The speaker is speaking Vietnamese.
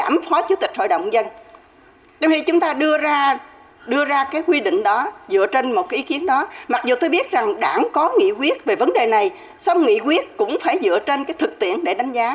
mặc dù tôi biết rằng đảng có nghị quyết về vấn đề này song nghị quyết cũng phải dựa trên thực tiễn để đánh giá